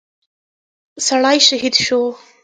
سړى شهيد شو.